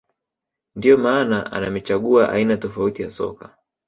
ndiyo maana anamechagua aina tofauti ya soka